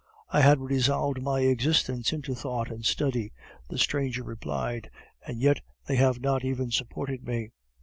"I had resolved my existence into thought and study," the stranger replied; "and yet they have not even supported me.